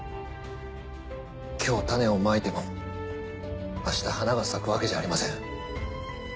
今日種をまいても明日花が咲くわけじゃありません。